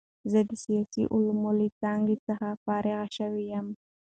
زه د سیاسي علومو له څانګې څخه فارغ شوی یم.